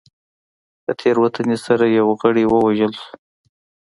په تېروتنې سره یو غړی ووژل شو.